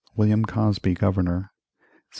William Cosby Governor 1733.